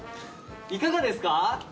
いかがですか？